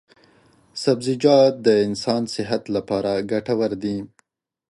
سبزیجات د انسان صحت لپاره ګټور دي.